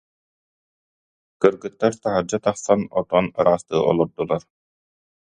Кыргыттар таһырдьа тахсан отон ыраастыы олордулар